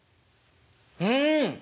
うん！